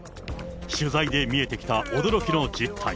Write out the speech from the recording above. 取材で見えてきた驚きの実態。